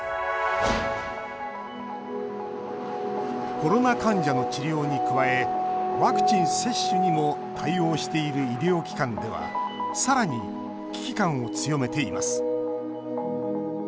コロナ患者の治療に加えワクチン接種にも対応している医療機関ではさらに危機感を強めています。